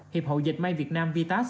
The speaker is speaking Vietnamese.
hiệp hội dẹp may việt nam vitas